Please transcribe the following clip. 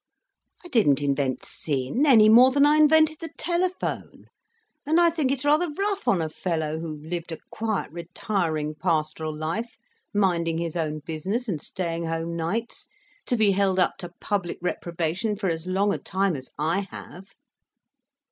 I didn't invent sin any more than I invented the telephone, and I think it's rather rough on a fellow who lived a quiet, retiring, pastoral life, minding his own business and staying home nights, to be held up to public reprobation for as long a time as I have."